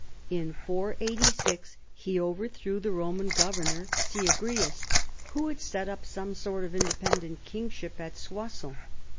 In 486 he overthrew the Roman gov ernor Syagrius, who had set up some sort of inde pendent kingship at Soissons.